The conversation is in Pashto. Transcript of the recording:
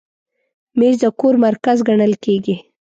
مېز د کور مرکز ګڼل کېږي.